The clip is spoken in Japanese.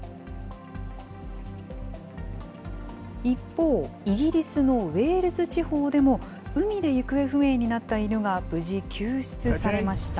一方、イギリスのウェールズ地方でも、海で行方不明になった犬が無事救出されました。